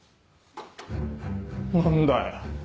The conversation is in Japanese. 何だよ。